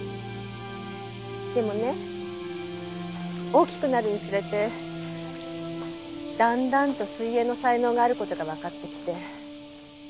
でもね大きくなるにつれてだんだんと水泳の才能がある事がわかってきて。